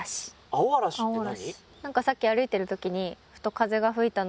青嵐って何？